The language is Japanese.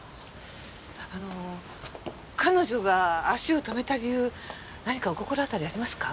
あの彼女が足を止めた理由何かお心当たりありますか？